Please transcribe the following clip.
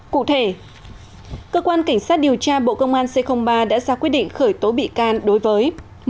cụ thể cơ quan cảnh sát điều tra bộ công an c ba đã ra quyết định khởi tố bị can đối với